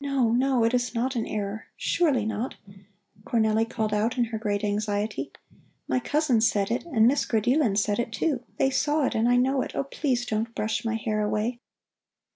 "No, no, it is not an error, surely not," Cornelli called out in her great anxiety. "My cousin said it and Miss Grideelen said it, too. They saw it, and I know it. Oh, please don't brush my hair away."